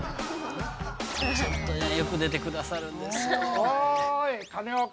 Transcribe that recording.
ちょっとねよく出て下さるんですよね。